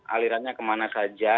alirannya kemana saja